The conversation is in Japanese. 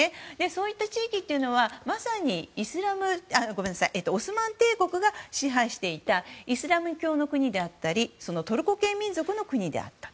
そういった地域というのはまさにオスマン帝国が支配していたイスラム教の国であったりトルコ系民族の国であった。